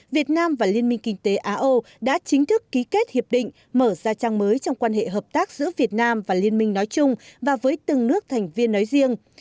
việt nam và liên minh kinh tế á âu đã chính thức ký kết hiệp định mở ra trang mới trong quan hệ hợp tác giữa việt nam và liên minh nói chung và với từng nước thành viên nói riêng